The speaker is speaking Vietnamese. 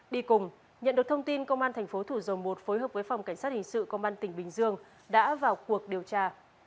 đi cùng nhận được thông tin công an thành phố thủ dầu một phối hợp với phòng cảnh sát hình sự công an tỉnh bình dương đã vào cuộc điều tra